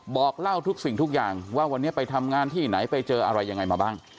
บอกเล่าทุกสิ่งทุกอย่างว่าวันนี้ไปทำงานที่ไหนไปเจออะไรยังไงมาบ้าง